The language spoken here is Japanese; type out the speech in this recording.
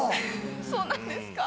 そうなんですか？